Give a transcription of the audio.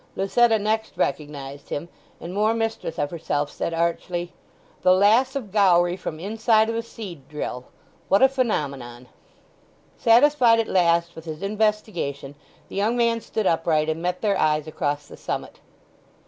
Lucetta next recognized him, and more mistress of herself said archly, "The 'Lass of Gowrie' from inside of a seed drill—what a phenomenon!" Satisfied at last with his investigation the young man stood upright, and met their eyes across the summit.